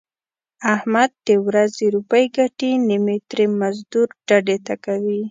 احمد د ورځې روپۍ ګټي نیمې ترې مزدور ډډې ته کوي.